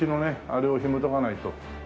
あれをひも解かないと。